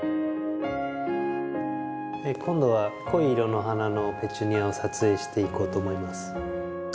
今度は濃い色の花のペチュニアを撮影していこうと思います。